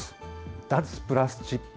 脱プラスチック。